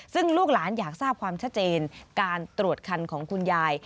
ซึ่งลูกหลานอยากทราบความชัดเจนการตรวจคันของคุณยาย